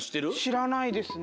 しらないですね。